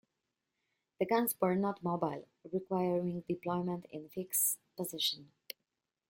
The guns were not mobile, requiring deployment in fixed positions.